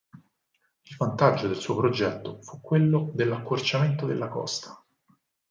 Il vantaggio del suo progetto fu quello dell'accorciamento della costa.